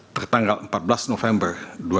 tertanggal empat belas november dua ribu dua puluh